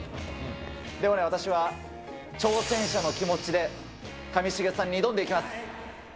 でもね、私は挑戦者の気持ちで、上重さんに挑んでいきます。